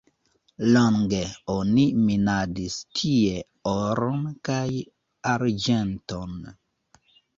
Longe oni minadis tie oron kaj arĝenton.